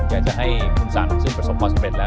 อยากจะให้คุณสันซึ่งประสบความสำเร็จแล้ว